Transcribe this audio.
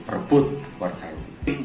perbut warga itu